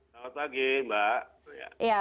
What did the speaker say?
selamat pagi mbak